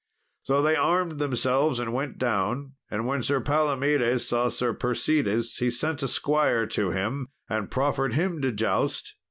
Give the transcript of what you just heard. So they armed themselves and went down. And when Sir Palomedes saw Sir Persides, he sent a squire to him and proffered him to joust.